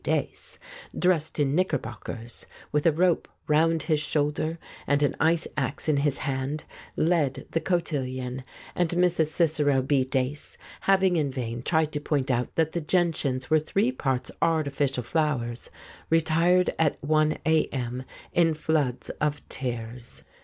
Dace — dressed in knickerbockers, with a rope round his shoulder and an ice axe in his hand, led the cotillion, and Mrs. Cicero B. Dace, having in vain tried to point out that the gentians were three parts artificial flowers, retired at i a.m. in floods of tears.